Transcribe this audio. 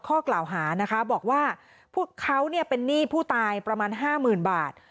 ข้อกล่าวหานะคะบอกว่าเขาเป็นหนี้ผู้ตายประมาณห้าหมื่นบาท